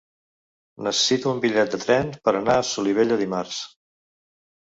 Necessito un bitllet de tren per anar a Solivella dimarts.